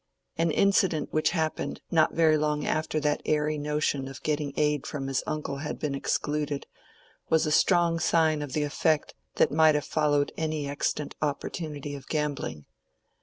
An incident which happened not very long after that airy notion of getting aid from his uncle had been excluded, was a strong sign of the effect that might have followed any extant opportunity of gambling.